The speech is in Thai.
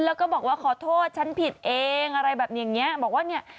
แล้วก็บอกว่าขอโทษชั้นผิดเองอะไรแบบนี้บอกว่าเนี่ย